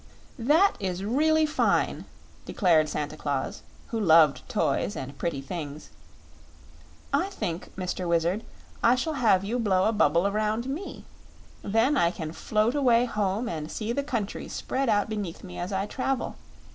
"That is really fine!" declared Santa Claus, who loved toys and pretty things. "I think, Mr. Wizard, I shall have you blow a bubble around me; then I can float away home and see the country spread out beneath me as I travel.